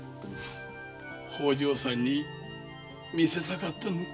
方丈さんに見せたかったのう。